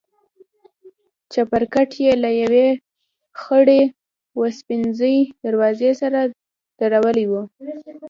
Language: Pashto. چپرکټ يې له يوې خړې وسپنيزې دروازې سره درولى و.